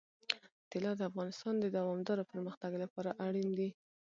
طلا د افغانستان د دوامداره پرمختګ لپاره اړین دي.